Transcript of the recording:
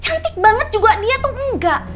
cantik banget juga dia tuh enggak